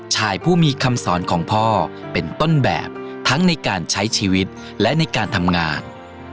ชายผู้มีคำสอนของพ่อเป็นต้นแบบทั้งในการใช้ชีวิตและในการทำงาน